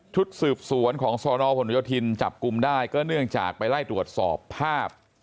ชุดสืบสวนของสนหนโยธินจับกลุ่มได้ก็เนื่องจากไปไล่ตรวจสอบภาพ